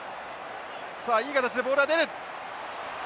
さあいい形でボールが出る！